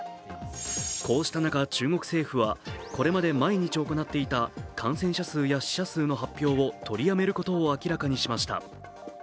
こうした中、中国政府はこれまで毎日行っていた感染者数や死者数の発表を取りやめることを明らかにしました。